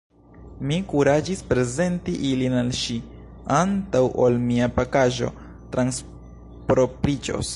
Mi kuraĝis prezenti ilin al ŝi, antaŭ ol mia pakaĵo transpropriĝos.